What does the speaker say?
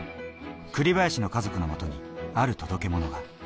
栗林の家族の元にある届け物が。